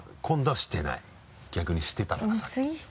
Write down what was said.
今度はしてない逆にしてたからさっき。